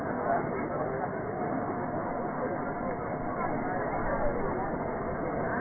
ก็จะมีอันดับอันดับอันดับอันดับอันดับ